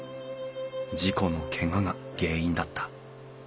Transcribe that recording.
事故のけがが原因だった。